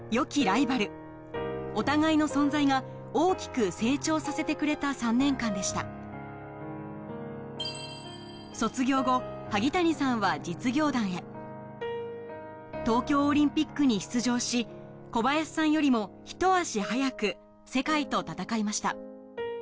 ライバルお互いの存在が大きく成長させてくれた３年間でした卒業後東京オリンピックに出場し小林さんよりもひと足早く世界と戦いました